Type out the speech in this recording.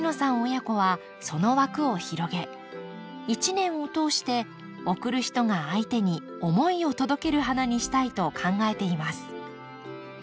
親子はその枠を広げ一年を通して贈る人が相手に思いを届ける花にしたいと考えています。